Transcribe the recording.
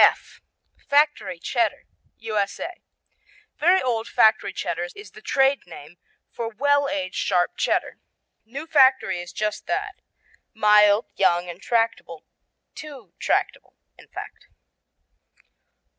F Factory Cheddar U.S.A. Very Old Factory Cheddar is the trade name for well aged sharp Cheddar. New Factory is just that mild, young and tractable too tractable, in fact.